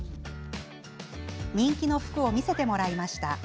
人気の服を見せてもらいました。